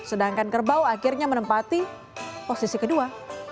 sedangkan kerbau akhirnya menempati posisi kedua